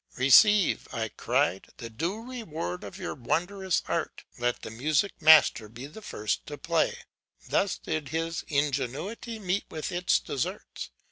"Receive," I cried, "the due reward of your wondrous art: let the music master be the first to play." Thus did his ingenuity meet with its deserts.